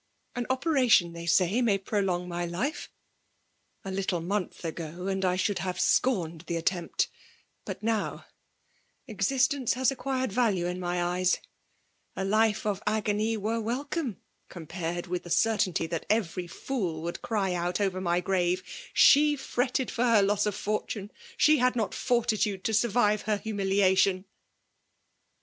An operation, they say, may prolong my life. A little month ago, and I should have scorned the ^attempt ; but now, existence has acquired value in my eyes« A hfe of agony were welcome, compared with the certainty that every fool would cry out over my grave, —' She fretted for her loss of fortune^ — she had not fortitude to survive her humili* ation.'